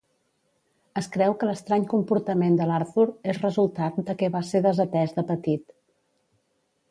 Es creu que l'estrany comportament de l'Arthur és resultat de que va ser desatès de petit.